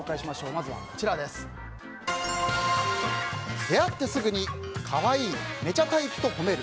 まずは出会ってすぐに「かわいい」「めっちゃタイプ」と褒める。